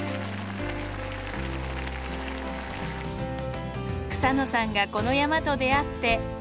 草野さんがこの山と出会って４９年。